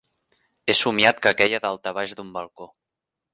He somiat que queia daltabaix d'un balcó.